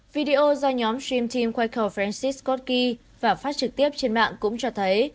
video do nhóm stream team quay cầu francis scott key và phát trực tiếp trên mạng cũng cho thấy